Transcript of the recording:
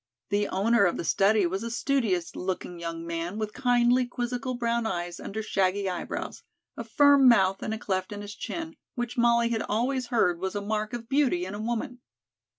The owner of the study was a studious looking young man with kindly, quizzical brown eyes under shaggy eyebrows, a firm mouth and a cleft in his chin, which Molly had always heard was a mark of beauty in a woman.